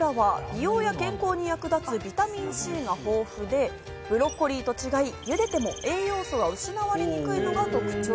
そんなカリフラワー、美容や健康に役立つビタミンＣが豊富で、ブロッコリーと違い、茹でても栄養素は失われにくいのが特徴。